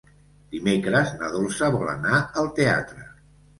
Dimecres na Dolça vol anar al teatre.